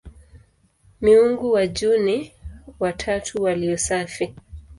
Miungu wa juu ni "watatu walio safi".